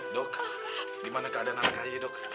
dok gimana keadaan anak kaya dok